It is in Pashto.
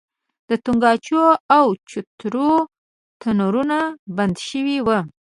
د تنګاچو او چوترو تنورونه بند شوي وو.